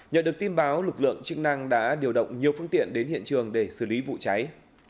nhận được tin báo lực lượng chức năng đã điều động nhiều phương tiện đến hiện trường để xử lý vụ cháy